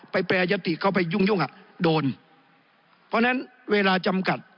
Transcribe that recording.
แปรยติเข้าไปยุ่งยุ่งอ่ะโดนเพราะฉะนั้นเวลาจำกัด